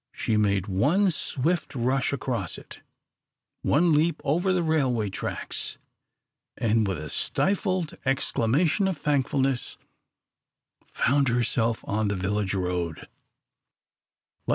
She made one swift rush across it, one leap over the railway tracks, and with a stifled exclamation of thankfulness found herself on the village road.